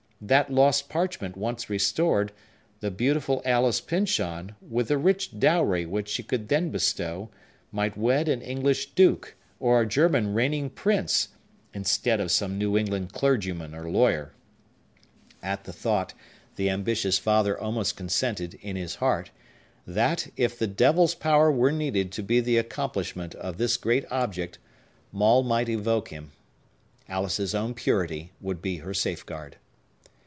That lost parchment once restored, the beautiful Alice Pyncheon, with the rich dowry which he could then bestow, might wed an English duke or a German reigning prince, instead of some New England clergyman or lawyer! At the thought, the ambitious father almost consented, in his heart, that, if the devil's power were needed to the accomplishment of this great object, Maule might evoke him. Alice's own purity would be her safeguard.